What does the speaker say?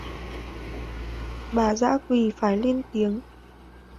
Bà dã quỳ phải lên tiếng